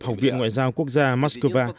học viện ngoại giao quốc gia moscow